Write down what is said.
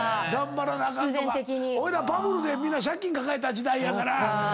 おいらバブルでみんな借金抱えた時代やから。